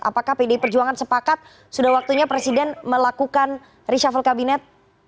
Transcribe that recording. apakah pdi perjuangan sepakat sudah waktunya presiden melakukan reshuffle kabinet